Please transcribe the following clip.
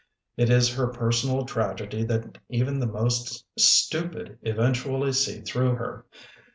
It is her personal tragedy that even the most stupid eventually see through her.